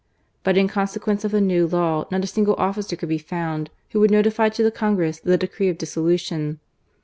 But in consequence of the new law not a single officer •could be found who would notify to the Congress ihe decree of dissolution.